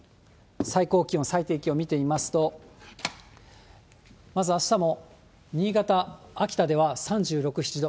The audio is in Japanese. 最高気温、最低気温を見ていきますと、まずあしたも新潟、秋田では３６、７度。